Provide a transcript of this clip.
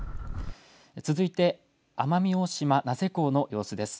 続いて奄美大島名瀬港の様子です。